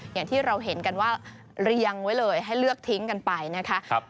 อย่างที่เราเห็นกันว่าเรียงไว้เลยให้เลือกทิ้งกันไปนะคะ